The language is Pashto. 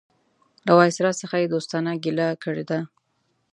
له وایسرا څخه یې دوستانه ګیله کړې ده.